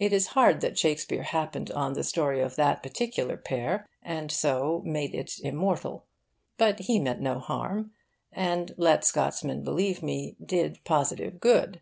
It is hard that Shakespeare happened on the story of that particular pair, and so made it immortal. But he meant no harm, and, let Scotsmen believe me, did positive good.